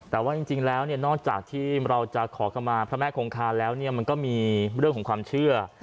แต่ว่าจริงแล้วเนี่ยนอกจากที่เราจะขอเข้ามาพระแม่คงคาแล้วเนี่ยมันก็มีเรื่องของความเชื่อ